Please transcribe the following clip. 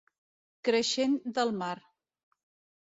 Creixent del mar.